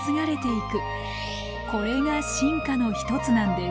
これが進化の一つなんです。